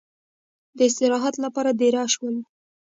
د استراحت لپاره دېره شولو.